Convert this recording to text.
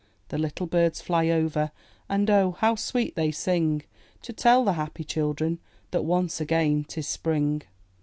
The little birds fly over — And oh, how sweet they sing! To tell the happy children That once again 'tis spring.